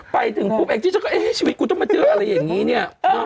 ไปถึงที่ชีวิตกูต้องมาเจออะไรอย่างนี้เนี่ย